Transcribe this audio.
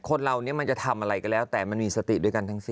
คนเราเนี่ยมันจะทำอะไรก็แล้วแต่มันมีสติด้วยกันทั้งสิ้น